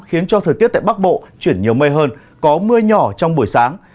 khiến cho thời tiết tại bắc bộ chuyển nhiều mây hơn có mưa nhỏ trong buổi sáng